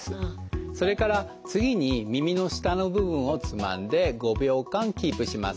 それから次に耳の下の部分をつまんで５秒間キープします。